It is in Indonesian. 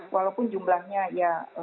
walaupun jumlahnya ya